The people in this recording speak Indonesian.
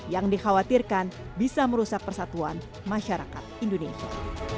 yang dikhawatirkan bisa merusak persatuan masyarakat indonesia